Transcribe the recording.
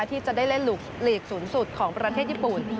ที่จะได้เล่นหลุกหลีกศูนย์สุดของประเทศญี่ปุ่น